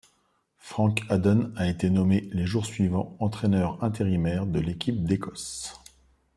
Frank Hadden a été nommé les jours suivants entraîneur intérimaire de l'équipe d'Écosse.